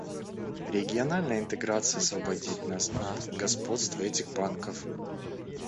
Региональная интеграция освободит нас от господства этих банков.